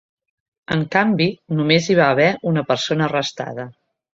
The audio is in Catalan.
En canvi, només hi va haver una persona arrestada.